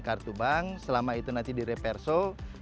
kartu bank selama itu nanti direperso